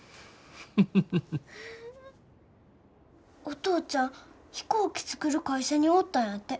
お父ちゃん飛行機作る会社におったんやて。